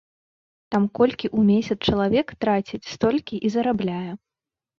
Там колькі ў месяц чалавек траціць, столькі і зарабляе.